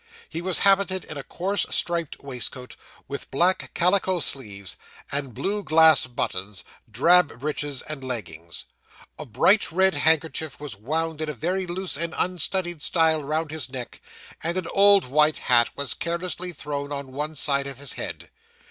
He was habited in a coarse, striped waistcoat, with black calico sleeves, and blue glass buttons; drab breeches and leggings. A bright red handkerchief was wound in a very loose and unstudied style round his neck, and an old white hat was carelessly thrown on one side of his head.